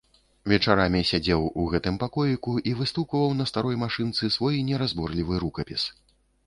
Вечарамі сядзеў у гэтым пакоіку і выстукваў на старой машынцы свой неразборлівы рукапіс.